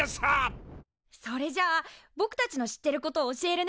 それじゃあぼくたちの知ってることを教えるね。